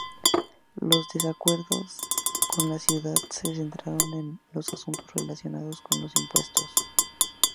Los desacuerdos con la ciudad se centraron en los asuntos relacionados con los impuestos.